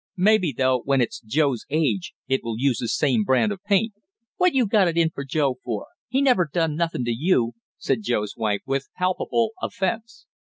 Maybe, though, when it's Joe's age it will use the same brand of paint." "What you got it in for Joe for? He never done nothing to you!" said Joe's wife, with palpable offense.